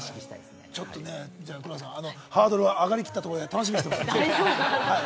ハードル上がりきったところで、楽しみにしてます。